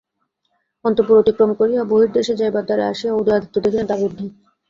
অন্তঃপুর অতিক্রম করিয়া বহির্দেশে যাইবার দ্বারে আসিয়া উদয়াদিত্য দেখিলেন দ্বার রুদ্ধ।